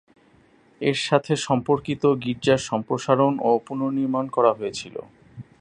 এর সাথে সম্পর্কিত, গির্জার সম্প্রসারণ ও পুনর্নির্মাণ করা হয়েছিল।